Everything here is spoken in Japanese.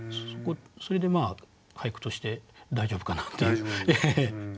それで俳句として大丈夫かなって思います。